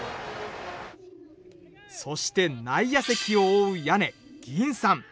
そして内野席を覆う屋根銀傘。